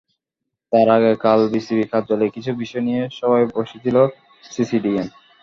তার আগে কাল বিসিবি কার্যালয়ে কিছু বিষয় নিয়ে সভায় বসেছিল সিসিডিএম।